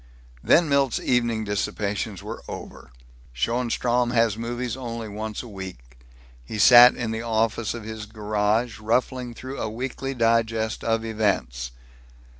Then Milt's evening dissipations were over. Schoenstrom has movies only once a week. He sat in the office of his garage ruffling through a weekly digest of events.